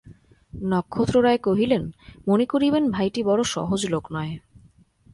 নক্ষত্ররায় কহিলেন, মনে করিবেন ভাইটি বড়ো সহজ লোক নয়।